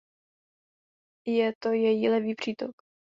Je to její levý přítok.